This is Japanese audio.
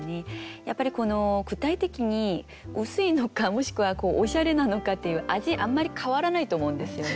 やっぱり具体的に薄いのかもしくはおしゃれなのかっていう味あんまり変わらないと思うんですよね。